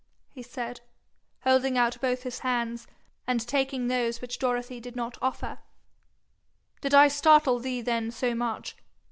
he said, holding out both his hands, and taking those which Dorothy did not offer 'did I startle thee then so much?